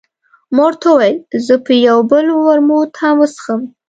ما ورته وویل، زه به یو بل ورموت هم وڅښم.